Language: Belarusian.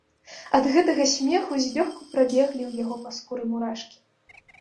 Ад гэтага смеху злёгку прабеглі ў яго па скуры мурашкі.